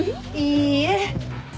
いいえ。